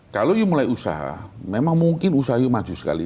kalau you mulai usaha memang mungkin usaha you maju sekali